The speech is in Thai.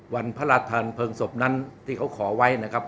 วันพระราชทานเพลิงศพนั้นที่เขาขอไว้นะครับ